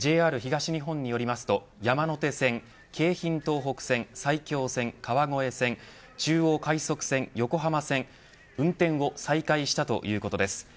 ＪＲ東日本によると山手線、京浜東北線埼京線、川越線、中央快速線横浜線運転を再開したということです。